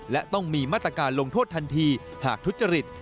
และต้องมีมาตรการลงโทษทันทีหากทุจริต